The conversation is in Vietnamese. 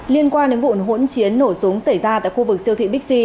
liên quan đến vụ hỗn chiến nổ súng xảy ra tại khu vực siêu thị bixi